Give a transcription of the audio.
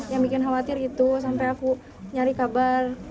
yang bikin khawatir gitu sampai aku nyari kabar